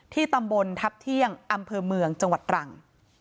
ตำบลทัพเที่ยงอำเภอเมืองจังหวัดตรัง